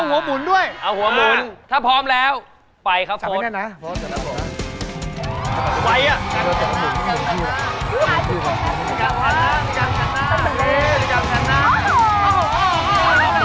เอาหัวหมุนด้วยคุณพร้อมแสดงแกร่งได้